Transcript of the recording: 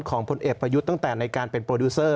ผลเอกประยุทธ์ตั้งแต่ในการเป็นโปรดิวเซอร์